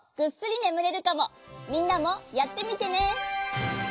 みんなもやってみてね。